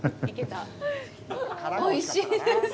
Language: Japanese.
おいしいです。